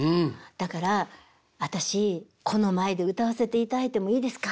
「だから私この前で歌わせていただいてもいいですか？」